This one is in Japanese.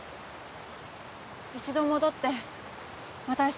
一度戻ってまた明日